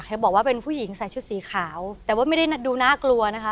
บอกว่าเป็นผู้หญิงใส่ชุดสีขาวแต่ว่าไม่ได้ดูน่ากลัวนะคะ